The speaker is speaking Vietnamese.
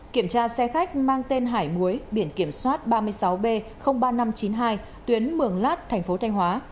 kiểm tra xe khách mang tên hải muối biển kiểm soát ba mươi sáu b ba nghìn năm trăm chín mươi hai tuyến mường lát thành phố thanh hóa